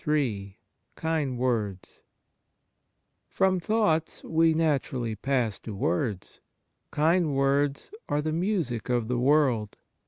Ill KIND WORDS From thoughts we naturally pass to words. Kind words are the music of the world.